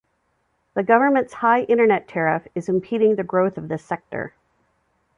The government's high internet tariff is impeding the growth of this sector.